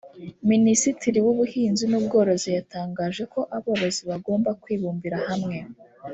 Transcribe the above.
Minisitiri w’ubuhinzi n’ubworozi yatangaje ko aborozi bagomba kwibumbira hamwe